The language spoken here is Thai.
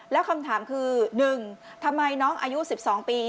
แล้วคำถามคือ๑ทำไมน้องอายุ๑๒ปี